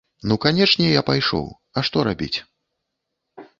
Ну канечне, я пайшоў, а што рабіць.